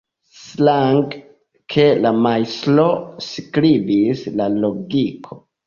Strange, ke la majstro skribis la logiko.